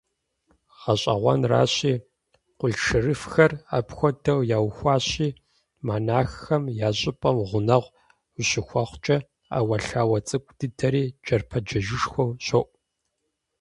ГъэщӀэгъуэнращи, къулъшырыфхэр апхуэдэу яухуащи, монаххэм я щӀыпӀэм гъунэгъу ущыхуэхъукӀэ, Ӏэуэлъауэ цӀыкӀу дыдэри джэрпэджэжышхуэу щоӀу.